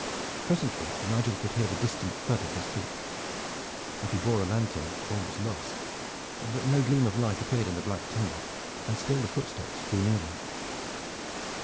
Presently Nigel could hear the distant thud of his feet. If he bore a lantern all was lost. But no gleam of light appeared in the black tunnel, and still the footsteps drew nearer.